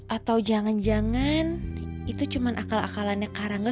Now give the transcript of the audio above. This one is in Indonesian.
atau jangan jangan itu cuma akal akalannya karangnya